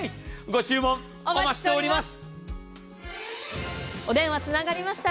ご注文お待ちしております。